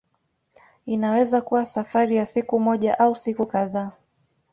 Inaweza kuwa safari ya siku moja au siku kadhaa.